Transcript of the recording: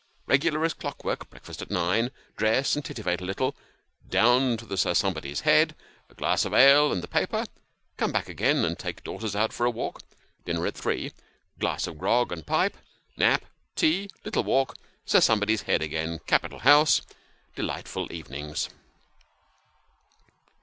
Regular as clockwork breakfast at nine dress and tittivate a little down to the Sir Somebody's Head a glass of ale and the paper come back again, and take daughters out for a walk dinner at three glass of grog and pipe nap tea little walk Sir Some body's Head again capital house delightful evenings.